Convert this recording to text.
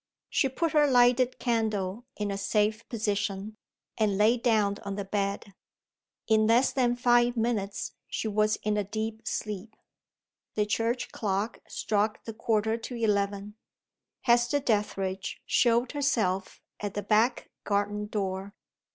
She put her lighted candle in a safe position, and laid down on the bed. In less than five minutes, she was in a deep sleep. The church clock struck the quarter to eleven. Hester Dethridge showed herself at the back garden door.